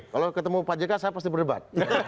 kalau saya bertemu pak jk saya pasti berdebat